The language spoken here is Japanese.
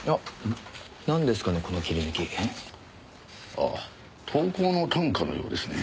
ああ投稿の短歌のようですね。